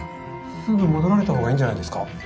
すぐ戻られた方がいいんじゃないですか？